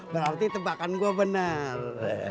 berarti tebakan gue benar